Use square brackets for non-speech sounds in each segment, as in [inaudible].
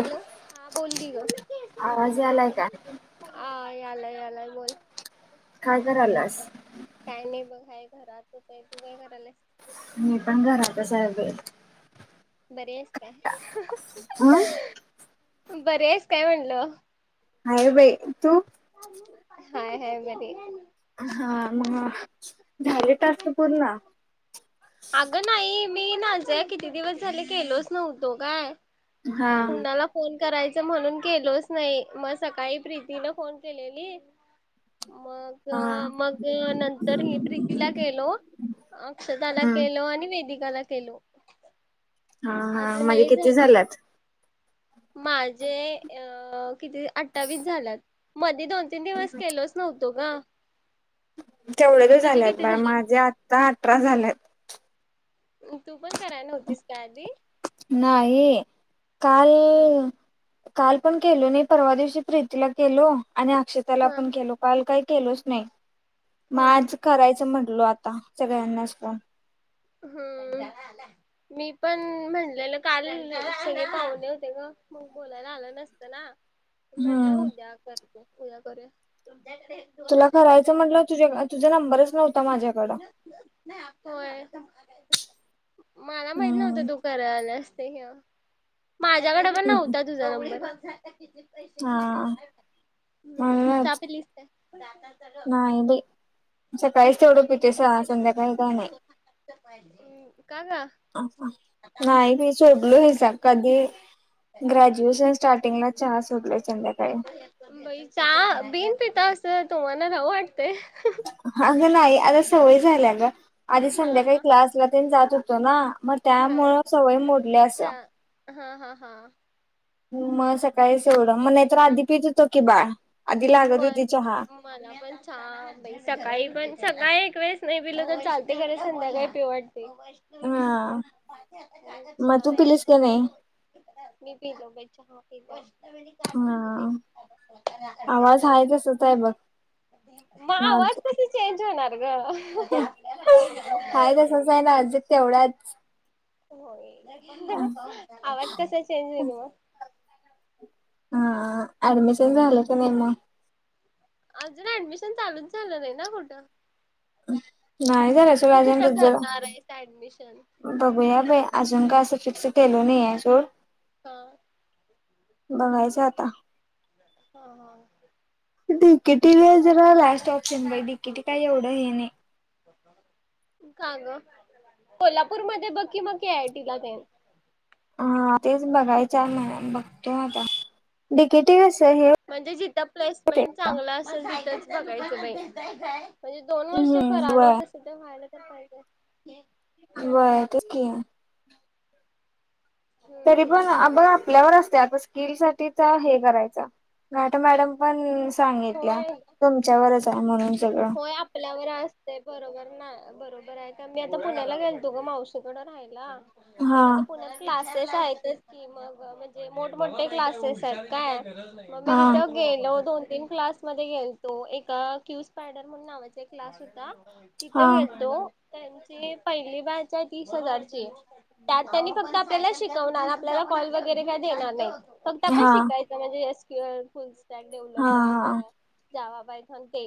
Hello हा बोल कि ग. आवाज यालाय का आलाय यालाय बोल. काय कराल्यास. काय नाही बघ हाय घरातच आहे तू काहीरायला. मी पण घराता च हाय बाइ. बरे आहेस काय हं बरे आहेस काय म्हणल. हाय बाई तू. हाय हाय बरी. हा मग झाले टास्क पूर्ण. अगं नाही मी नाज़िया किती दिवस झाले गेलोच नव्हतो ग हा कुणाला फोन. करायचं म्हणून केलोच नाही मग सकाळी प्रीतीन फोन केलेली. मग हा मग. नंतर मी प्रीतीला केलो अक्षताला हम्म केलो आणि. वेदिकाला केलो. हा हा अजून म्हणजे नाही किती ज़ा. झाले माझे अ किती अठ्ठावीस झालात म. मी दोन-तीन दिवस केलोच नव्हतो ग. तेवढेच तुझे झालेत किती बाळ झाले? माझे आत्ता अठरा झालेत तू पण करायन्हवतीस का आधी नाही काल काल पण केलो नाही परवा दिवशी प्रीतीला केलो आणि अक्षताला हा पण केलो काल काय केलोच नाही मग हा आज करायचं म्हटलो आता सगळ्यांनाच फोन हम्म मी पण म्हणलेलं काल सगळे पाहुने होते ग मग बोलायला आलं नसतं ना म्हटलं हम्म उद्या करतो उद्या करूया तुला करायचं म्हंटलं तुझ्या तुझा नंबरच नव्हता माझ्याकडं होय. मला माहित हम्म नव्हतं तू करा ल्यास ते हे माझ्याकडे पण नव्हता तुझा नंबर हा हम्म चहा म्हणूनच पिलीस काय? नाही बाई सकाळीच तेवढं पीतोय स संध्याकाळी काय नाही हि. नाही बाई मी सोडलो हे कधी ग्रॅज्युएशन स्टार्टिंगला चहा होडलोय संध्याकाळी बाई चहा बिन पिता तुम्हाला रहू वाटत अग नाही आता सवय झाल्या ग आधी हा संध्याकाळी हा क्लासला तेन होत ना मग त्यामुळं सवय मोडल्यस चहा हा हा हा हो म काहीच एवढं मग नाही तर आधी पीत होतो की बाळ आधी लागत होय. होती चहा. मला पण चहा सकाळी पण सकाळी एक वेळेस नाही पिलं तर चालते खर संध्याकाळी पीयु वाटतं हम मी पिलो बाई चहा पेलो हा आवाज हाय तसच आहे बघ मग नाजूक आवाज कस चेंज होणार ग हाय तसस आहे नाजित तेवढाच होय आवाज कसा चेंज होईल हा अँड मिशन झाले क नाही का मग अजून ऍडमिशन चालूच झालं नाही ना कुठं [unintelligible] तू कुठं करणार आहेस ऍडमिशन बघूया बाई अजून का असं फिक्स केलो नाही सोड हा बघायचं आता हा हा डिकेटीला जरा लास्ट ऑप्शन बा डिकेटी काही एवढं हे नाही का ग कोल्हापूर मध्ये बकी मग आय टीला ते हा तेच बघायच आता बघतो आता डिकेटी म्हणजे जिथं प्लेसमेंट चांगलं असेल तिथंच बघायचं बाई म्हणजे दोन वर्ष हम्म व्हय करालोते आलोय ते व्हायला तर पाहिजे का नाही बर ते्चकी तरी पण हम्म बघ आपल्यावर असते आता स्किल साठी हे करायच मॅडम पण सांगितल्या होय तुमच्यावरच आहे म्हणून सगळं होय आपल्यावर असते बरोबर ना बरोबर आहे का मी आता पुण्याला गेलतो ग मावशीकड राहायला मग हा तिथं प की मग म्हणजे मोठमोठे क्लासेस आहेत काय मग मी हा तिथं गेलो दोन तीन क्लास मध्ये गेलतो एका क्य स्पायडर म्हण नावाचा एक क्लास होता तिथे हा गेलतो त्यांची पहिली भाषा आहे तीस हजारची त्यात त्यांनी फक्त आपल्याला शिकवणार आपल्याला कॉल वगैरे काय देणार नाही फक्त पण हा शिकायचं म्हणजे एस क्यूअ फुल स्टॅक हा डेव्हलपर जावा बायथन ते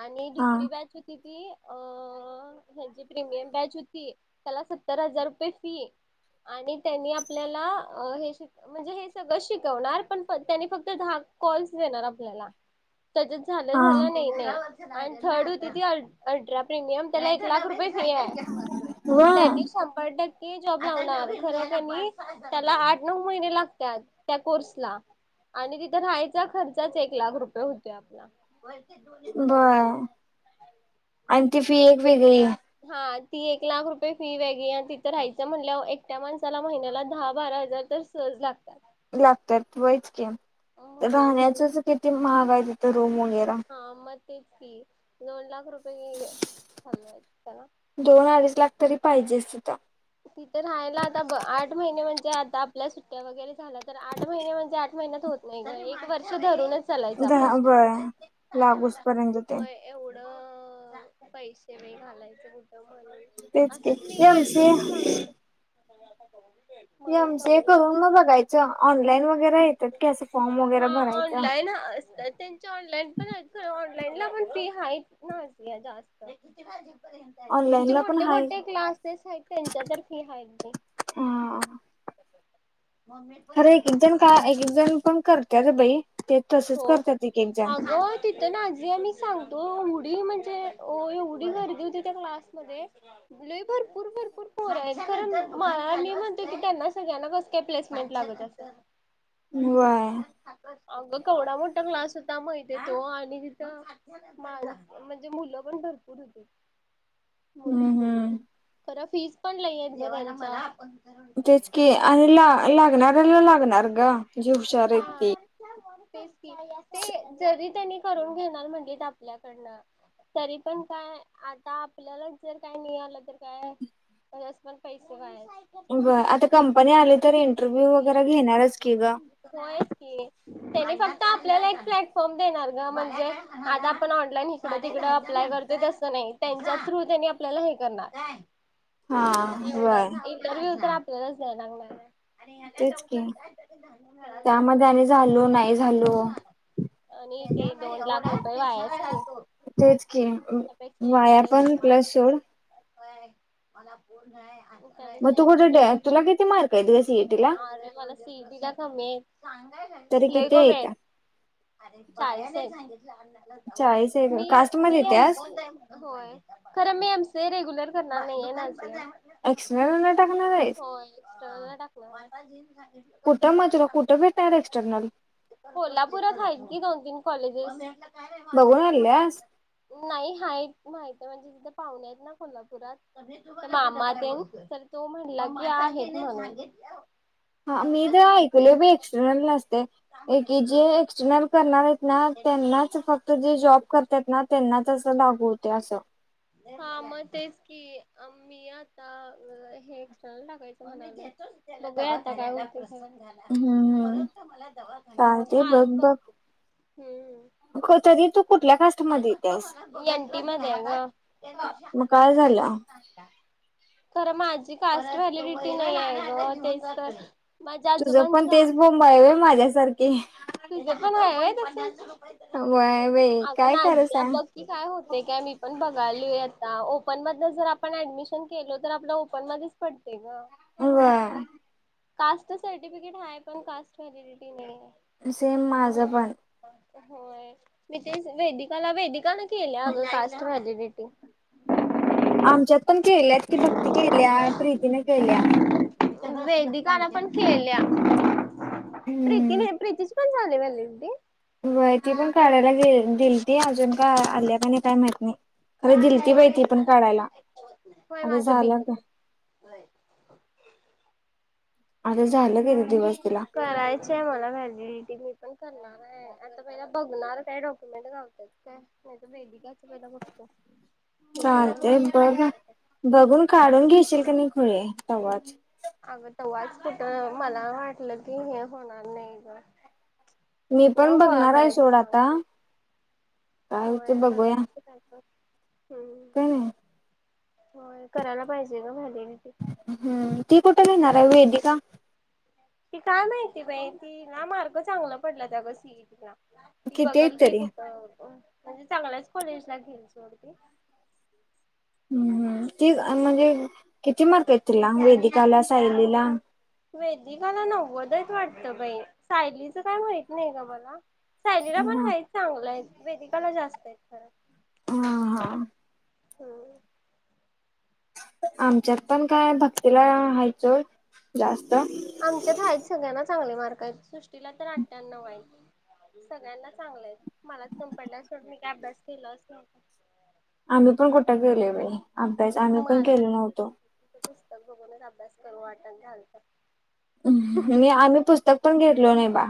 आणि हा दुसरी बॅच होती [unintelligible] हची प्रीमियम बॅच होती त्याला सत्तर हजार रुपये फी आणि त्यांनी आपल्याला हे श म्हणजे हे सगळं शिकवणार पण त्यांनी फक्त कॉल्स देणार आपल्याला त्याच्या झालं हा झालं नाही नाही आणि थर्ड होती त अल्ट्रा प्रिमियम त्याला एक लाख रुपये बर त्यांनी शंभर टक्के ते जॉब लावणार खर क त्याला आठ नऊ महिने लागतात त्या कोर्सला आणि तिथं राहायचा खर्चाच एक लाख रुपये होते आपला बर आणि ती फी एक वेगळी हा ती एक लाख रुपये फी वेगळी आणि तिथं राहायचं म्हणल्या एकट्या माणसाला महिन्याला दहा बारा हजार तर सहज लागतात लागतात वैचकी म्हणून राहण्याचच किती महाग रूम वगैरे रा हा मग की दोन लाख रुपये चालवायच त्याला दोन अडीच लागतरी पाहिजेच तिथे तिथं राहायला आता आठ महिने म्हणजे आता आपल्या सुट्ट्या वगैरे झाल्या तर आठ महिने म्हणजे आ त होत नाही एक वर्ष धरूनच चालायचं दहा आपण. बरं लागूस पर्यंत ते मग पैसे म घालायचे कुठून तेच की एम सी [unintelligible] म्हणून एम सी ए बघू ना करून न बघायचं ऑनलाईन वगैरे येतात की असं फॉर्म वगैरे भरायचं त्यां ऑनलाईन पण ऑनलाइनला पण फी आहे की ऑनलाईन म्हणजे ला पण मोठे हाय मोठे क्लासेस आहेत चादर की हाय ते खरे एक एक जण का एक एक जण पण करते र बाई ते तसच हो करतात एक एक जण अगं तिथं आजी आमी सांगतो एवढी म्हणजे एवढी गर्दी होती त्या क्लासमध्ये लय भरपूर भरपूर पोर आहेत मला आली म्हणते तू त्यांना सगळ्यांना कस काय प्लेसमेंट लागत असंल व्हय अग केवढा मोठा क्लास होता माहिते तो आणि तिथ माझ म्हणजे मुलं पण भरपूर होती मुलं हम्म मुली हम्म खरं फीज पण लय आहेत त्यांचा तेच की आणि ला लागणारऱ्याला लागणार ग जी हुशार त्यांच्या आहेत ती हा ते जरी त्यांनी करून घेणार म्हटल आपल्याकडनं तरी पण काय आता आपल्यालाच जर काय मिळालं तर काय पस पण पैसे व्हाय बर आता कंपनी आली तर इंटरव्ह्यू वगैरे घेणारच की ग जायच कि त्यानी फडत आपल्याला एक प्लॅटफॉर्म देणार ग म्हणजे आता आपण ऑनलाईन इकडं तिकड अप्लाय करतोय तसं नाही यांच्या थ्रू त्यांनी आपल्याला हे करणार हा व्हय एवढच इंटरव्ह्यू तर आप ल्यालाच द्यावं लागणार आहे तेच की त्यामध्ये आणि झालो नाही झालो आणि इ ते दोन लाख रुपये वाया चाल तेच की वाया पण प्लस सोड मला पूर्ण आहे मग तू कुठे तुला किती मार्क आहेत ग सीएटी ला तिला तरी कमीयेत लई किती कमीयेत येत्या चाळीस येत चाळीस [inaudible] आहे मी, कास्ट मध्ये मी येत्यास न नाही येनयच अऍक्स टकनार आहेस एक्स्टर्नल [unintelligible] कुठं मग तुला कुठं भेटणार एक्सटर्नल कोल्हापुरात आहेत की दोन तीन कॉलेजेस बघून आल्यास नाही हायत माहित म्हणजे तिथे पाहुणे आहेत ना कोल्हापुरात मामा तेन तो म्हणला की आहेत म्हणून हा मी तर ऐकल आहे एक्सटर्नल नसते ऐ के जी एक्सटर्नल करणार आहेत. ना त्यांनाच फक्त जे जॉब करतात ना त्यांनाच अस लागू होते असं हा मग तेच की मी आता हे एक्सटर्नल टाकायचं म्हणायच बघुया आता काय होते. झा हम्म हम्म परत मला दवाखाण्यात ण्या चालते माये बघ पप हम्म पण तरी तू कुठी एनटी मध्ये आहे मग काय झालं ना. खर माझी कास्ट व्हॅलिडिटी नाही आहे ग तेच तर माझ्या तुझं पण आजोबांचा तेच बोंब आहे व्हय हा माझ्यासारखी तुझ पण आहे व्हय बाई पण काय आज खरं सांग बघकी काय होते काय मी पण बघाली आता ओपन मध जर आपण ऍडमिशन केलो तर आपला ओपन मधेच पडते ग. व्हय कास्ट सर्टिफिकेट हाय, पण कास्ट व्हॅलिडिटी नाही आहे. सेम माझं पण होय मी. वेदिकाला वेदिका न केल्या अग कास्ट व्हॅलिडिटी आमच्यात पण केल्यात की भक्ती केल्या, प्रीतीने केल्या वेदिकान पण केल्या, हम्म प्रीतीने प्रीतीची पणजले व्हलेंडीटी व्हय, पण काढायला गे दिलीती अजून का आल्या का नाही काय माहत नाही. खरं दिलती बाई ती पण काढायला होय आता माझं बी झालं का [inaudible] अ झालं करून करायचं आहे मला वेलिडिटी मी पण करणार आहे आता पहि बघणार काय डॉक्युमेंट घावत्यात काय नाही वेदिकच पहिल बघतो. तिचं जर चालते मॅच बघ बघून काढून घ्यायेशील का नाही खुळे तवाच अगं तेव्हाच कुठं मला वाटलं की हे होणार नाही ग मी कुठनं पण गोळा बघणार आहे करायचं सोड सांग आता ते काय होते होय बघूया बघायचं कायतर काय नाही. होय करायला पाहिजे ग भांडिन हम्म ती कुठं घेणार हाय वेदीका ती काय माहिती बाई ती ना मार्क चांगला पडल्या त ग सीईटीला ती किती आहेत बघल की तरी कुठ अ म्हणजे चांगल्याच कॉलेजला घेइल सोड ती हम्म हम् ती अ म्हणजे किती मार्क आहेत तीला वेदिका ला, सायली ला? वेदिकाला नव्वद आहेत वाटतं बाई सायलीचं काय माहीत नाही ग मला. सायली पण हा हायत चांगलं आहेत वेदिकाला जास्त आहेत खर हा हा हम आमच्यात पण काय भक्तीला आ हायत सोड जास्त आमच्याता आहेतच सगळ्यांना चांगले मार्क आहेत सृष्टीला तर आठयान ऊ आहेत. सगळ्यांना चांगलंयत मलाच कमी पडल्यात सोड. आम्ही पण कुठ केलो बाई अभ्यास आम्ही पण मला केलो तर नव्हतो ़ पुस्तक बघूनच अभ्यास करू वाटना झालत. हुम आम्ही पुस्तक पण घेतलो नाही बा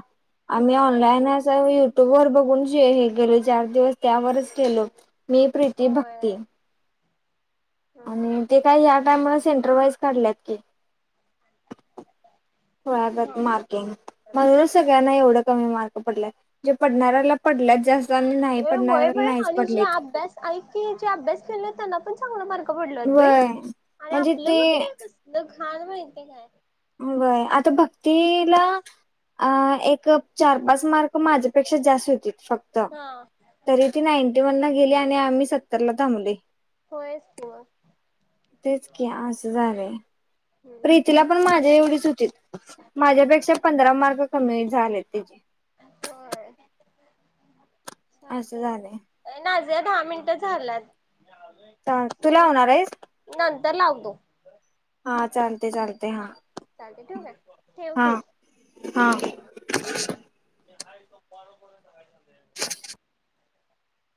आम्ही होय ऑनलाईन आणि असावी युट्यूब वर बघून. हे हे गेलो चार दिवस त्यावरच केलो होतो मी प्रीती भक्ती होय हम्म आणि ते काय ह्या टाईमाला सेंटरवाइज काढल्यात की धोडया या त होय. मार्किंग म्हणूनच सगळ्यांना एवढं कमी मार्क- पडलाय जे पडणार्याला पडल्यात जास्त- आणि नाही अ व्हय पडणाऱ्याला नाहीच बाई जे पडलेत. आभ्यास आईक की जे अभ्यास केल नाहीत त्यांना पण चांगल मार्क पडलत बई व्हय आणि म्हणजे आपलं बग ते की कसलं घाण माहिती काय- व्हय आता भक्तीला- आ एक चार पाच मार्क माझ्यापेक्षा जास्त होतीत- फक्त हा तरी ती नाईंटी वन ला गेली आणि आम्ही सत्तर ला थांबलोय - होयच की मग- तेच की आसं झालंय हम्म प्रीतीला पण माझ्या एवढीच हु़़ माझ्यापेक्षा पंधरा मार्क कमी झाले तीचे ़ असं चालत झालंय. ए एनाझने दहा मिनटं झालेत- थाबं तु लावनार आहेस- तर लावतो- हा चालते चालते हा चालत ठेऊ काय ठेव हा तु- हा. मी हाय हीत पार भरायला सांगतय-